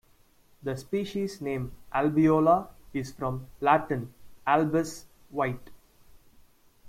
The species name "albeola" is from Latin "albus", "white".